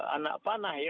anak panah ya